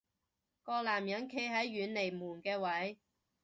個男人企喺遠離門嘅位